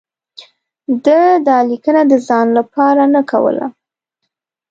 ده دا لیکنه د ځان لپاره نه کوله.